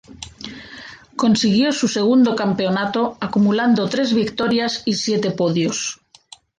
Consiguió su segundo campeonato, acumulando tres victorias y siete podios.